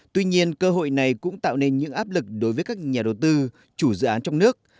tuy nhiên cơ hội này cũng tạo nên những áp lực đối với các nhà đầu tư chủ dự án trong nước